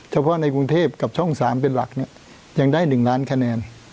เฉพาะในกรุงเทพกับช่อง๓เป็นหลักเนี่ยยังได้๑ล้านคะแนน